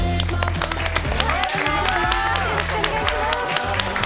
おはようございます。